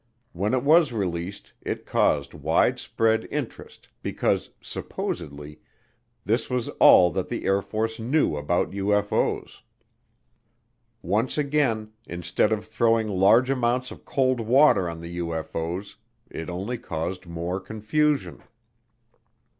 When it was released it caused widespread interest because, supposedly, this was all that the Air Force knew about UFO's. Once again, instead of throwing large amounts of cold water on the UFO's, it only caused more confusion.